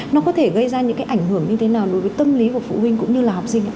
nó có thể gây ra những cái ảnh hưởng như thế nào đối với tâm lý của phụ huynh cũng như là học sinh ạ